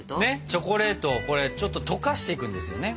チョコレートをこれちょっと溶かしていくんですよね。